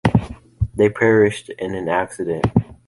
They perished in an accident.